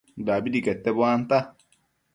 dabidi quete buanta